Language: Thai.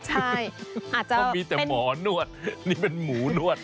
ใช่อาจจะมีแต่หมอนวดนี่เป็นหมูนวด